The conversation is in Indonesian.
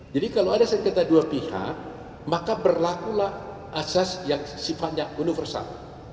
jadi kalau ada sengketa dua pihak maka berlakulah asas yang sifatnya universal